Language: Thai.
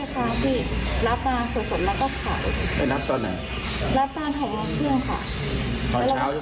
ใช่ค่ะเขาทำให้เป็นชุดให้เลยเราไม่ได้สัมผัสข้างในเลยค่ะเพราะเขาจะไปใส่กล่องมาให้เราเสร็จ